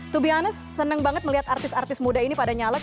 to be honest seneng banget melihat artis artis muda ini pada nyalek